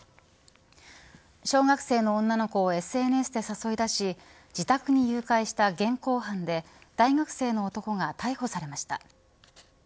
小学生の女の子をＳＮＳで誘い出し自宅に誘拐した現行犯で大学生の男が逮捕されました。